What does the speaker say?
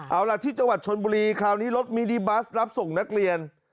เอาล่ะที่จังหวัดชนบุรีคราวนี้รถมินิบัสรับส่งนักเรียน